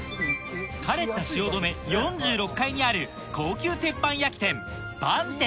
カレッタ汐留４６階にある高級鉄板焼き店